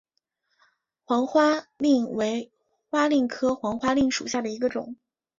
黄花蔺为花蔺科黄花蔺属下的一个种。